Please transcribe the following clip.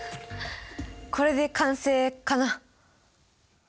これで完成！かな？